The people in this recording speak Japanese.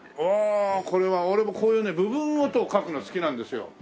ああこれは俺もこういうね部分ごとを描くの好きなんですよ。